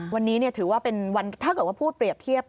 วันนี้ถือว่าเป็นวันถ้าเกิดว่าพูดเปรียบเทียบ